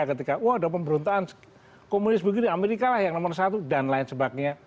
ketika wah ada pemberontakan komunis begini amerika lah yang nomor satu dan lain sebagainya